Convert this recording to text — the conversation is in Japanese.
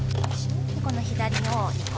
この左のを２個。